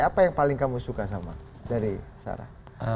apa yang paling kamu suka sama dari sarah